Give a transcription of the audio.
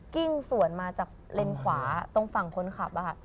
กิ้งสวนมาจากเลนขวาตรงฝั่งคนขับ